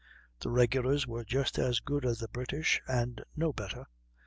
The regulars were just as good as the British, and no better.